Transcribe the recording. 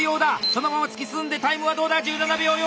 そのまま突き進んでタイムはどうだ⁉１７秒４８！